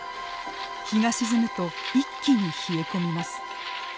日が沈むと一気に冷え込みます。